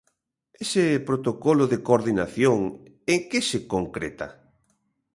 ¿Ese protocolo de coordinación en que se concreta?